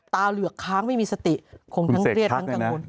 เหลือกค้างไม่มีสติคงทั้งเครียดทั้งกังวล